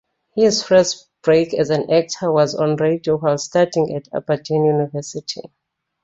His first break as an actor was on radio while studying at Aberdeen University.